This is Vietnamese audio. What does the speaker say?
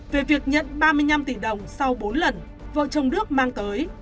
về việc nhận ba mươi năm tỷ đồng sau bốn lần vợ chồng đức mang tới